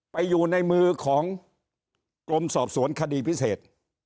ไปอยู่ในมือของกรมสอบสวนคดีพิเศษ